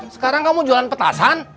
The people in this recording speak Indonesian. sekarang kamu jualan petasan